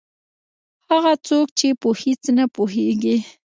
هغه څوک چې په هېڅ نه پوهېږي.